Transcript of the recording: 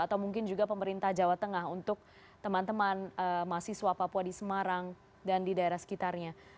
atau mungkin juga pemerintah jawa tengah untuk teman teman mahasiswa papua di semarang dan di daerah sekitarnya